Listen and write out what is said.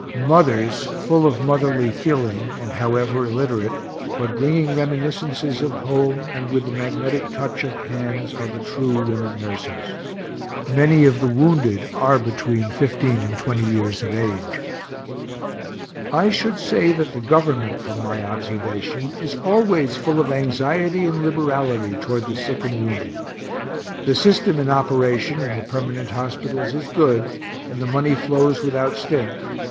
Mothers full of motherly feeling, and however illiterate, but bringing reminiscences of home, and with the magnetic touch of hands, are the true women nurses. Many of the wounded are between fifteen and twenty years of age. I should say that the Government, from my observation, is always full of anxiety and liberality toward the sick and wounded. The system in operation in the permanent hospitals is good, and the money flows without stint.